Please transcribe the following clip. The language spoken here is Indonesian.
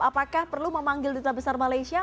apakah perlu memanggil duta besar malaysia